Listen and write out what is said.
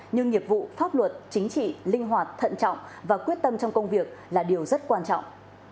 như nghiệp vụ pháp luật chính trị linh hoạt thận trọng và quyết tâm trong công việc là điều rất quan trọng